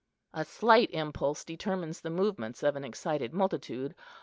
A slight impulse determines the movements of an excited multitude.